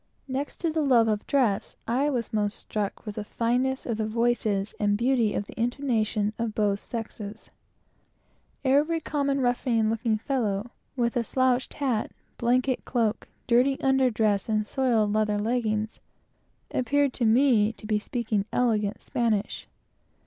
Next to the love of dress, I was most struck with the fineness of the voices and beauty of the intonations of both sexes. Every common ruffian looking fellow, with a slouched hat, blanket cloak, dirty under dress, and soiled leather leggins, appeared to me to be speaking elegant Spanish.